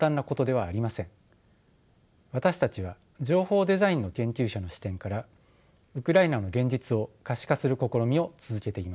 私たちは情報デザインの研究者の視点からウクライナの現実を可視化する試みを続けています。